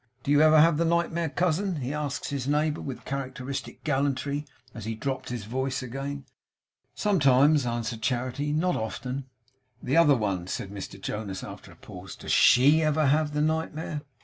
Do you ever have the nightmare, cousin?' he asked his neighbour, with characteristic gallantry, as he dropped his voice again. 'Sometimes,' answered Charity. 'Not often.' 'The other one,' said Mr Jonas, after a pause. 'Does SHE ever have the nightmare?